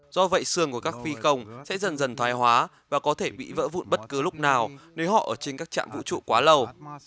do vậy xương của các phi công sẽ dần dần thoái hóa và có thể bị vỡ vụn bất cứ lúc nào nếu họ ở trên các trạm vũ trụ quá lâu